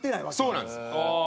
そうなんです。